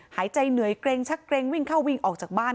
หายใจเหนื่อยเกร็งชักเกรงวิ่งเข้าวิ่งออกจากบ้าน